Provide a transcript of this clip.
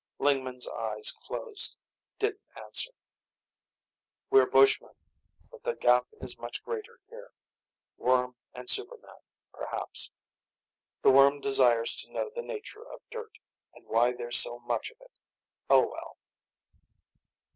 Lingman, eyes closed, didn't answer. "We're bushmen. But the gap is much greater here. Worm and super man, perhaps. The worm desires to know the nature of dirt, and why there's so much of it. Oh, well."